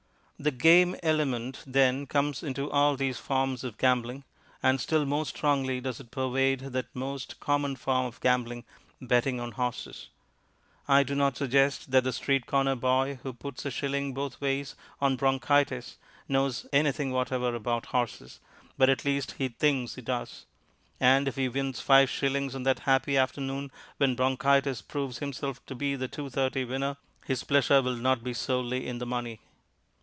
The "game" element, then, comes into all these forms of gambling, and still more strongly does it pervade that most common form of gambling, betting on horses. I do not suggest that the street corner boy who puts a shilling both ways on Bronchitis knows anything whatever about horses, but at least he thinks he does; and if he wins five shillings on that happy afternoon when Bronchitis proves himself to be the 2.30 winner, his pleasure will not be solely in the money.